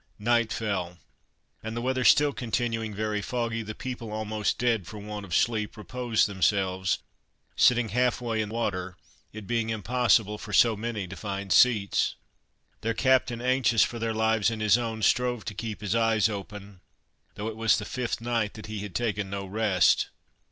Night fell, and the weather still continuing very foggy, the people, almost dead for want of sleep, reposed themselves, sitting half way in water, it being impossible for so many to find seats. Their captain, anxious for their lives and his own, strove to keep his eyes open, though it was the fifth night that he had taken no rest.